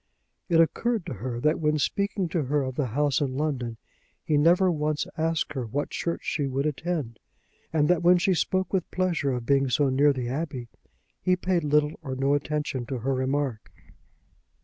It occurred to her that when speaking to her of the house in London he never once asked her what church she would attend; and that when she spoke with pleasure of being so near the Abbey, he paid little or no attention to her remark.